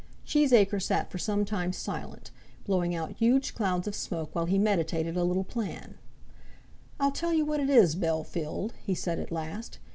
Cheesacre sat for some time silent, blowing out huge clouds of smoke while he meditated a little plan. "I'll tell you what it is, Bellfield," he said at last.